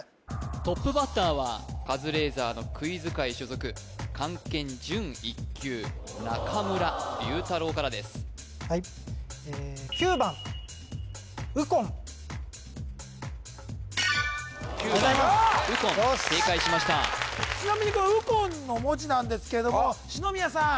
トップバッターはカズレーザーのクイズ会所属漢検準１級中村竜太郎からですはい９番ウコン正解しましたちなみにこのウコンの文字なんですけども篠宮さん